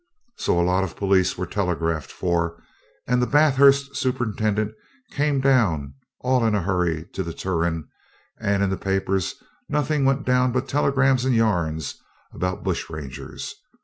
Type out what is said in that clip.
So a lot of police were telegraphed for, and the Bathurst superintendent came down, all in a hurry, to the Turon, and in the papers nothing went down but telegrams and yarns about bush rangers.